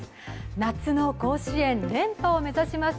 夏の甲子園連覇を目指します